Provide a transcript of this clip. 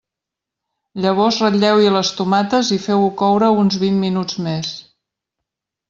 Llavors ratlleu-hi les tomates i feu-ho coure uns vint minuts més.